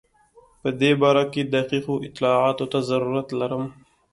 په دې باره کې دقیقو اطلاعاتو ته ضرورت لرم.